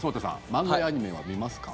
漫画やアニメは見ますか？